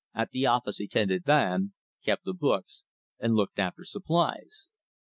At the office he tended van, kept the books, and looked after supplies.